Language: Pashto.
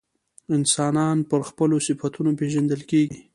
انسان پر خپلو صفتونو پیژندل کیږي.